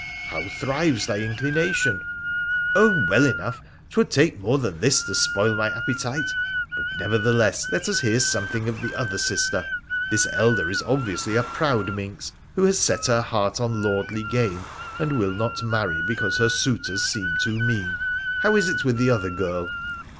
How thrives thy inclination ?' 4 Oh ! well enough : 'twould take more than this to spoil my appetite ! But, nevertheless, let us hear something of the other sister. This elder is obviously a proud minx, who has set her heart on lordly game, and will not marry because her suitors seem too mean. How is it with the other girl